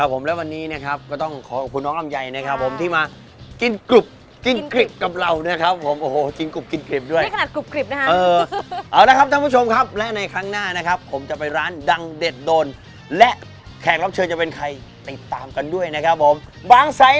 เปลี่ยนจากความขอบคุณหอมแก้มซักพ่อได้ไหมครับ